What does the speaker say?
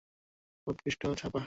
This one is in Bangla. আমার জানা মতে এটি উৎকৃষ্টতম ছাপা।